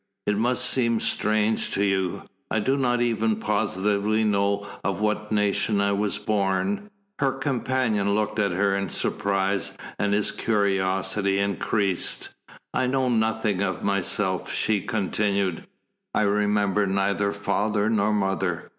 It must seem strange to you I do not even positively know of what nation I was born." Her companion looked at her in surprise, and his curiosity increased. "I know nothing of myself," she continued. "I remember neither father nor mother.